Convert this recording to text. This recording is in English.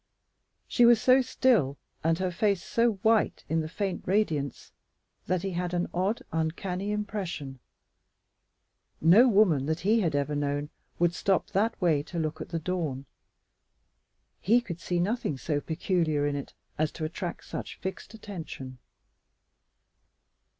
She was so still and her face so white in the faint radiance that he had an odd, uncanny impression. No woman that he had ever known would stop that way to look at the dawn. He could see nothing so peculiar in it as to attract such fixed attention.